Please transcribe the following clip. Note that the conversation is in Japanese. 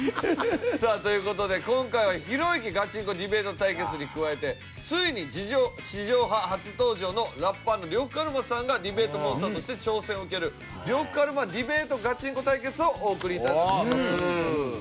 さあという事で今回はひろゆきガチンコディベート対決に加えてついに地上波初登場のラッパーの呂布カルマさんがディベートモンスターとして挑戦を受ける呂布カルマディベートガチンコ対決をお送り致します。